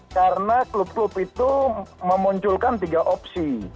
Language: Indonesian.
karena klub klub itu memunculkan tiga opsi